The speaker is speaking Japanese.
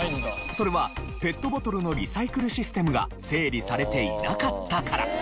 それはペットボトルのリサイクルシステムが整備されていなかったから。